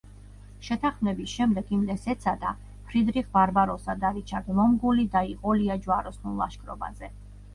შეთანხმების შემდეგ იმდენს ეცადა, ფრიდრიხ ბარბაროსა და რიჩარდ ლომგული დაიყოლია ჯვაროსნულ ლაშქრობაზე.